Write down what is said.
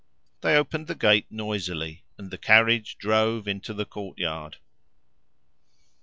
They opened the gate noisily, and the carriage drove into the courtyard.